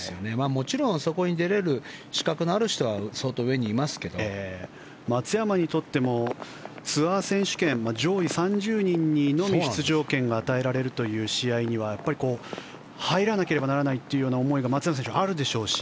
もちろんそこに出れる資格のある人は松山にとってもツアー選手権上位３０人のみ出場権が与えられる試合には入らなければならないっていう思いが松山選手、あるでしょうし。